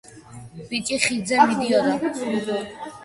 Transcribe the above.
ბიჭი ხიდზე მიდიოდა